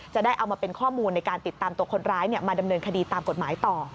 จะได้เอามาเป็นข้อมูลในการติดตามตัวคนร้ายมาดำเนินคดีตามกฎหมายต่อ